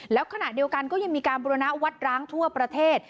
แล้วขณะเดียวกันก็ยังมีการบุรณะวัดร้างทั่วประเทศ